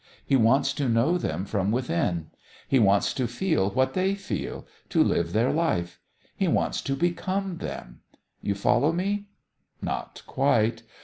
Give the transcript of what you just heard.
He wants to know them from within. He wants to feel what they feel, to live their life. He wants to become them. You follow me? Not quite.